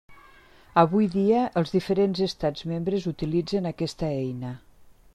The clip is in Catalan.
Avui dia els diferents estats membres utilitzen aquesta eina.